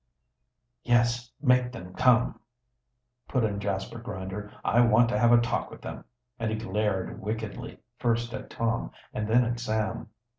"Yes, make them come," put in Jasper Grinder. "I want to have a talk with them." And he glared wickedly, first at Tom and then at Sam.